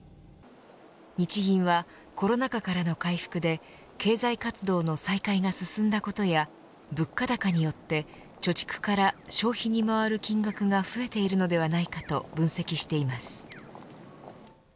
日銀はコロナ禍からの回復で経済活動の再開が進んだことや物価高によって貯蓄から消費に回る金額が増えているのではないかと分析しています。